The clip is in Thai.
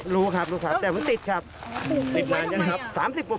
รู้ครับแต่มันติดครับติดมาทำไมครับ